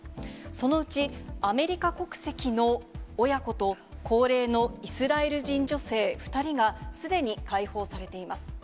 そのうちアメリカ国籍の親子と高齢のイスラエル人女性２人が、すでに解放されています。